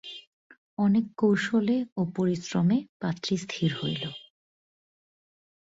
অনেক কৌশলে ও পরিশ্রমে পাত্রী স্থির হইল।